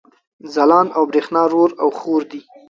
ځلاند او برېښنا رور او حور دي